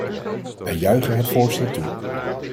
Wij juichen het voorstel toe.